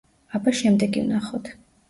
აბა შემდეგი ვნახოთ.